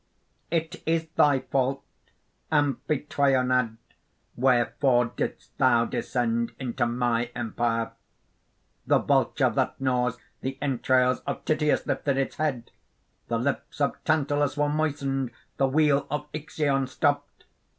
"It is thy fault, Amphytrionad; wherefore didst thou descend into my empire? "The vulture that gnaws the entrails of Tityus lifted its head; the lips of Tantalus were moistened; the wheel of Ixion stopped.